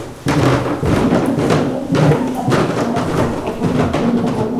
আমরা চেষ্টা করলেও সত্যিকার অর্থে একে অপরকে ছেড়ে যেতে পারব না।